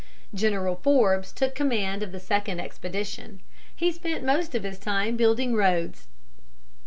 General Forbes took command of the second expedition. He spent most of his time building roads.